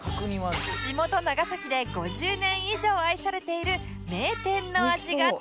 地元長崎で５０年以上愛されている名店の味が楽しめます